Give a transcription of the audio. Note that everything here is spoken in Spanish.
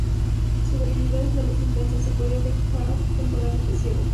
Su debilidad es la luz intensa, que puede dejarlo temporalmente ciego.